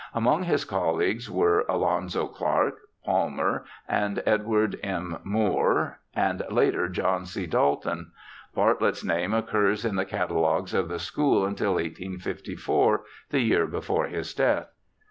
Among his colleagues were Alonzo Clark, Palmer, and Edward M. Moore, and later John C. Dalton. Bartlett's name occurs in the catalogues of the school until 1854, the year before his death.